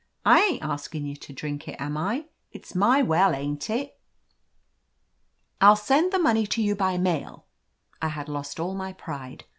"I ain't askin' you to drink it, am I ? It's my well, ain't it ?" "I'll send the money to you by mail." I had lost all my pride.